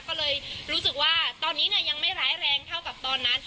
ก็เลยรู้สึกว่าตอนนี้ยังไม่ร้ายแรงเท่ากับตอนนั้น